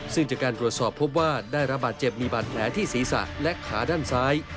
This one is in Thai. ซึ่งจากการตรวจสอบพบว่าได้ระบาดเจ็บมีบาดแผลที่ศีรษะและขาด้านซ้าย